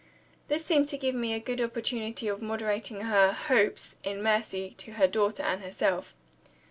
This seemed to give me a good opportunity of moderating her "hopes," in mercy to her daughter and to herself.